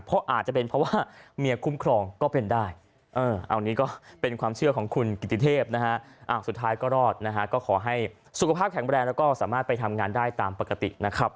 เพราะอาจจะเป็นเพราะว่าเมียคุ้มครองก็เป็นได้